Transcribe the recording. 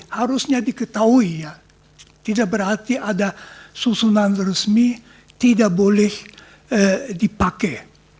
harusnya diketahui ya tidak berarti ada susunan resmi tidak boleh dipakai